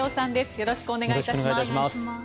よろしくお願いします。